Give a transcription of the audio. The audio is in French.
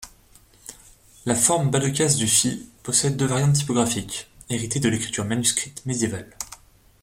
La forme bas-de-casse du phi possède deux variantes typographiques, héritées de l'écriture manuscrite médiévale.